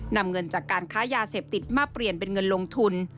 นำเงินจากการค้ายาเสพติดมาเปลี่ยนเป็นเงินลงทุน